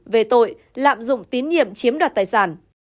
về tội lạm dụng tín nhiệm chiếm đoạt tài sản